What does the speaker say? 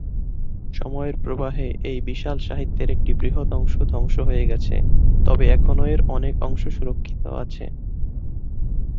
সময়ের প্রবাহে এই বিশাল সাহিত্যের একটি বৃহৎ অংশ ধ্বংস হয়ে গেছে, তবে এখনও এর অনেক অংশ সুরক্ষিত আছে।